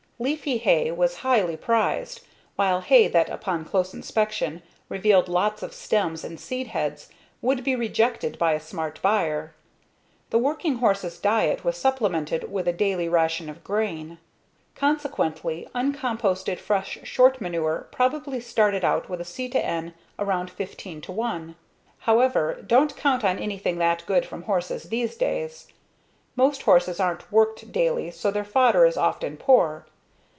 Leafy hay was highly prized while hay that upon close inspection revealed lots of stems and seed heads would be rejected by a smart buyer. The working horse's diet was supplemented with a daily ration of grain. Consequently, uncomposted fresh short manure probably started out with a C/N around 15:1. However, don't count on anything that good from horses these days. Most horses aren't worked daily so their fodder is often poor.